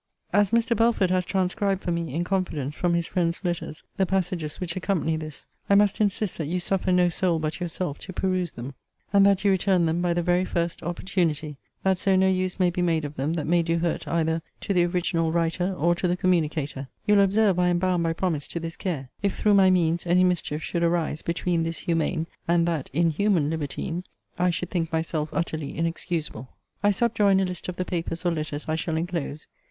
As Mr. Belford has transcribed for me, in confidence, from his friend's letters, the passages which accompany this, I must insist that you suffer no soul but yourself to peruse them; and that you return them by the very first opportunity; that so no use may be made of them that may do hurt either to the original writer or to the communicator. You'll observe I am bound by promise to this care. If through my means any mischief should arise, between this humane and that inhuman libertine, I should think myself utterly inexcusable. I subjoin a list of the papers or letters I shall enclose.